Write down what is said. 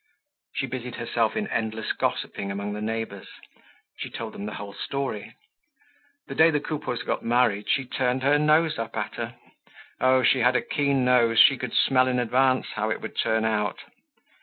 She busied herself in endless gossiping among the neighbors. She told them the whole story. The day the Coupeaus got married she turned up her nose at her. Oh, she had a keen nose, she could smell in advance how it would turn out.